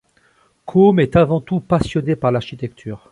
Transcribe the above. Cosme est avant tout passionné par l’architecture.